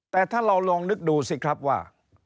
แต่ถ้าเราลองนึกดูสิครับว่า